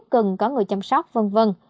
cần có người chăm sóc v v